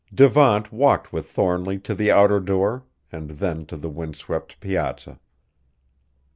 Devant walked with Thornly to the outer door, and then to the windswept piazza.